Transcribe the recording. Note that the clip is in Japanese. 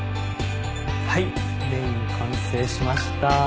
はいメイン完成しました。